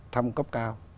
thăm cấp cao